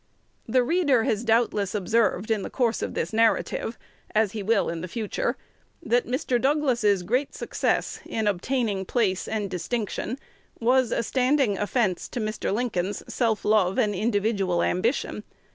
The reader has doubtless observed in the course of this narrative, as he will in the future, that Mr. Douglas's great success in obtaining place and distinction was a standing offence to Mr. Lincoln's self love and individual ambition.